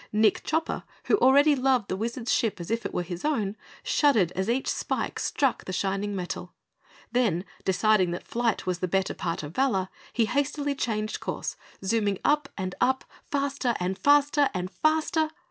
Nick Chopper, who already loved the Wizard's ship as if it were his own, shuddered as each spike struck the shining metal. Then, deciding that flight was the better part of valor, he hastily changed course, zooming up and up, faster and faster and FASTER!